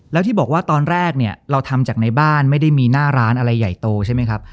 แล้วที่บอกว่าตอนแรกเนี่ยเราทำจากในบ้านไม่ได้มีหน้าร้านอะไรใหญ่โตใช่ไหมครับ